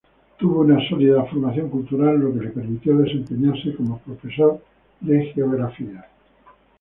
Tuvo una sólida formación cultural lo que le permitió desempeñarse como profesor de geografía.